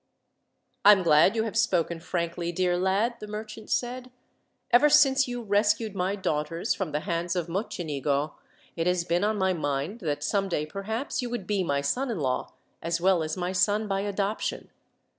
"I am glad you have spoken frankly, dear lad," the merchant said. "Ever since you rescued my daughters from the hands of Mocenigo, it has been on my mind that someday, perhaps, you would be my son in law, as well as my son by adoption.